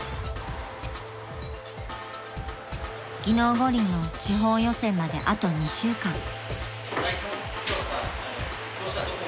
［技能五輪の地方予選まであと２週間］